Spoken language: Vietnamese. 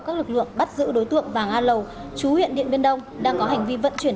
các lực lượng bắt giữ đối tượng và nga lầu chú huyện điện biên đông đang có hành vi vận chuyển